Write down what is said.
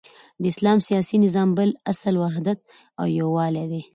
د اسلام سیاسی نظام بل اصل وحدت او یوالی دی،